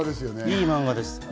いい漫画です。